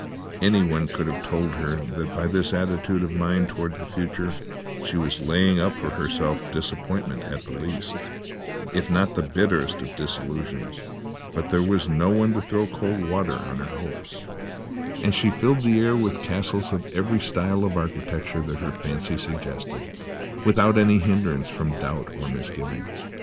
Anyone could have told her that, by this attitude of mind towards the future, she was laying up for herself disappointment at the least, if not the bitterest disillusions; but there was no one to throw cold water on her hopes, and she filled the air with castles of every style of architecture that her fancy suggested, without any hindrance from doubt or misgiving.